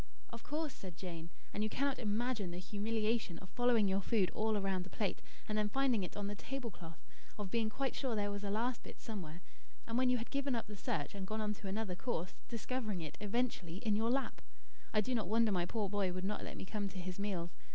"Of course," said Jane. "And you cannot imagine the humiliation of following your food all round the plate, and then finding it on the table cloth; of being quite sure there was a last bit somewhere, and when you had given up the search and gone on to another course, discovering it, eventually, in your lap. I do not wonder my poor boy would not let me come to his meals.